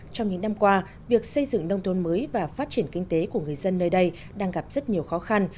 trong những năm qua việc xây dựng nông thôn mới và phát triển kinh tế của người dân nơi đây đang gặp rất nhiều khó khăn